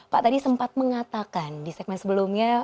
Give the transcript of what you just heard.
pak tadi sempat mengatakan di segmen sebelumnya